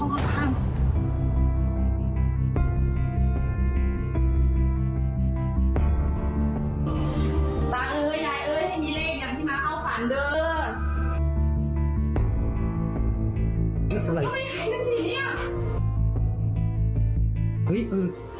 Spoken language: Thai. อู๊ช๊าก